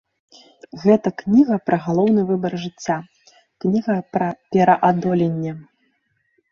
Гэта кніга пра галоўны выбар жыцця, кніга пра пераадоленне.